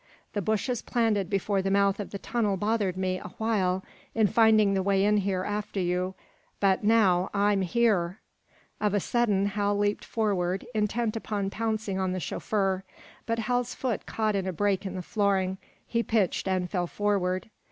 The bushes planted before the mouth of the tunnel bothered me, a while, in finding the way in here after you but now I'm here!" Of a sudden Hal leaped forward, intent upon pouncing on the chauffeur. But Hal's foot caught in a break in the flooring. He pitched and fell forward.